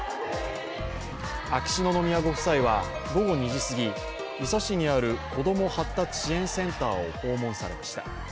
秋篠宮ご夫妻は午後２時すぎ、伊佐市にある子ども発達支援センターを訪問されました。